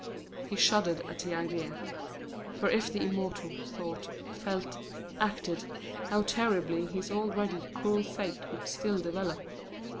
He shuddered at the idea; for if the immortals thought, felt, acted, how terribly his already cruel fate would still develop!